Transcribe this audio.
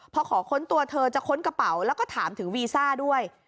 พอขอค้นตัวเธอจะค้นกระเป๋าแล้วก็ถามถึงวีซ่าด้วย